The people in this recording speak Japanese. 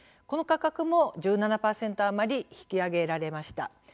この価格も１７％余り引き上げられました。